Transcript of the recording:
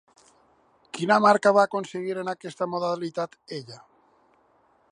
Quina marca va aconseguir en aquesta modalitat ella?